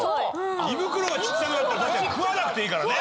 胃袋が小っちゃくなったら確かに食わなくていいからね。